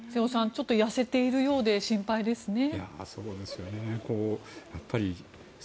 ちょっと痩せているようで心配ですね。